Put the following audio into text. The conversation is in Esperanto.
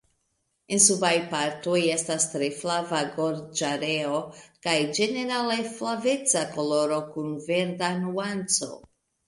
En subaj partoj estas tre flava gorĝareo kaj ĝenerale flaveca koloro kun verda nuanco.